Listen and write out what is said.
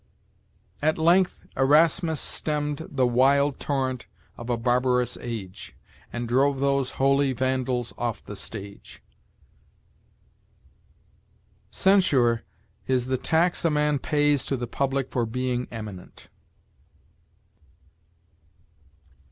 "At length Erasmus Stemmed the wild torrent of a barbarous age, And drove those holy Vandals off the stage." "Censure is the tax a man pays to the public for being eminent."